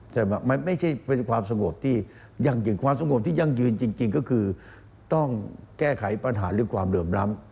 ไม่ใช่มันไม่ใช่เป็นความสงบที่ความสงบที่ยั่งยืนจริงก็คือต้องแก้ไขปัญหาเรื่องความเหลื่อมล้ำ